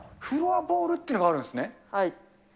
フロアボールっていうのがあるんはい。